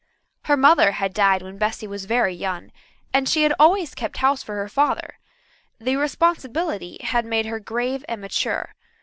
Her mother had died when Bessy was very young, and she had always kept house for her father. The responsibility made her grave and mature.